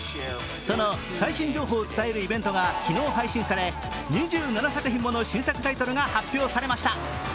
その最新情報を伝えるイベントが昨日配信され、２７作品もの新作タイトルが発表されました。